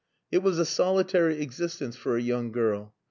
It was a solitary existence for a young girl.